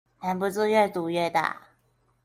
忍不住越賭越大